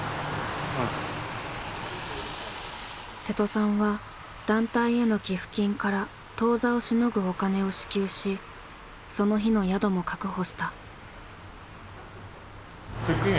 瀬戸さんは団体への寄付金から当座をしのぐお金を支給しその日の宿も確保した。